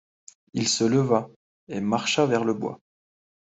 Il se leva, et marcha vers le bois.